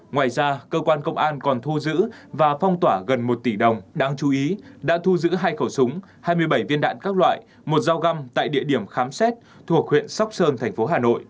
ngoài ra cơ quan công an còn thu giữ và phong tỏa gần một tỷ đồng đáng chú ý đã thu giữ hai khẩu súng hai mươi bảy viên đạn các loại một dao găm tại địa điểm khám xét thuộc huyện sóc sơn thành phố hà nội